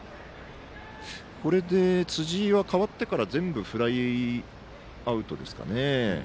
これで、辻井は代わってから全部フライアウトですかね。